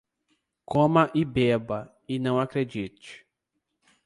Coma e beba, e não acredite.